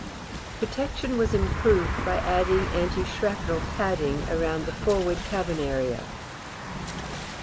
Protection was improved by adding anti-shrapnel padding around the forward cabin area.